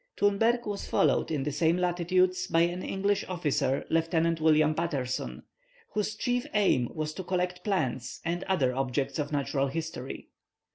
Thunberg was followed in the same latitudes by an English officer, Lieutenant William Paterson, whose chief aim was to collect plants and other objects of natural history.